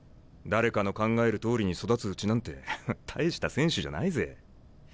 誰かの考えるとおりに育つうちなんて大した選手じゃないぜ。